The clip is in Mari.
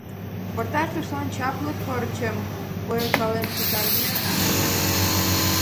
Пытартышлан чапле пырчым ойыркален пытарыме ыле.